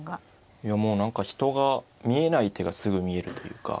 いやもう何か人が見えない手がすぐ見えるというか。